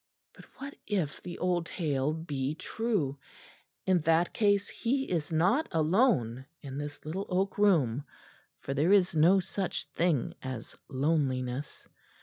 But what if the old tale be true? In that case he is not alone in this little oak room, for there is no such thing as loneliness.